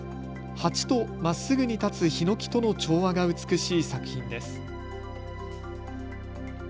鉢とまっすぐに立つひのきとの調和が美しい作品です。